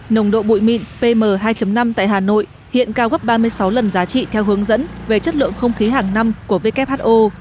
nồng độ bụi mịn pm hai năm tại hà nội hiện cao gấp ba mươi sáu lần giá trị theo hướng dẫn về chất lượng không khí hàng năm của who